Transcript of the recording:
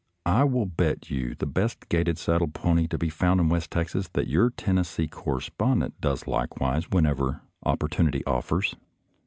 I will bet you the best gaited saddle pony to be found in west Texas that your Tennessee correspondent does likewise when ever opportunity offers.